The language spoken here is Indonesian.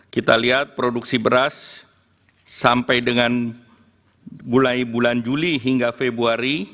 kita lihat produksi beras sampai dengan mulai bulan juli hingga februari